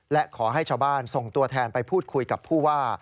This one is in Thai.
และขอให้ชาวบ้านส่งตัวแทนไปพูดคุยกับผู้ว่า